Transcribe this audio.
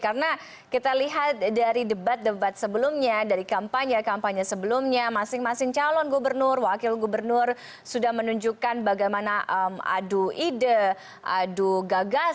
karena kita lihat dari debat debat sebelumnya dari kampanye kampanye sebelumnya masing masing calon gubernur wakil gubernur sudah menunjukkan bagaimana adu ide adu gagasan